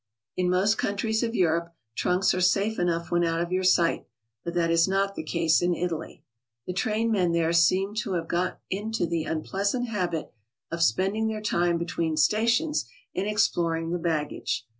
In most countries of Europe trunks are safe enough when out of your sight, but that is not the case in Italy. The train men there seem to have got into the unpleasant habit of spending their time between stations in exploring the baggage.